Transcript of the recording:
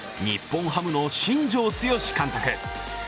日本ハムの新庄剛志監督。